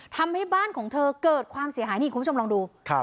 ทำให้บ้านของเธอเกิดความเสียหายนี่คุณผู้ชมลองดู